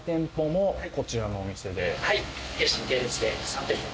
はい。